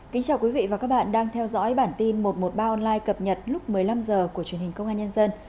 kính chào quý vị và các bạn đang theo dõi bản tin một trăm một mươi ba online cập nhật lúc một mươi năm h của truyền hình công an nhân dân